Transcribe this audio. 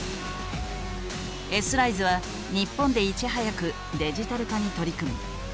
Ｓライズは日本でいち早くデジタル化に取り組み